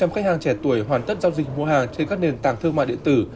sáu mươi sáu khách hàng trẻ tuổi hoàn tất giao dịch mua hàng trên các nền tảng thương mại điện tử